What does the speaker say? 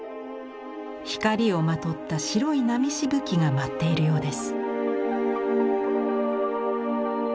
光をまとった白い波しぶきが舞っているようです。